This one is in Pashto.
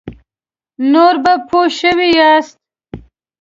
نور به پوه شوي یاست.